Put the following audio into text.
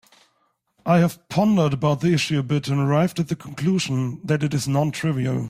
I have pondered about the issue a bit and arrived at the conclusion that it is non-trivial.